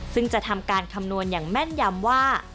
ซึ่งจะทำการคำนวณอย่างแม่นยำว่า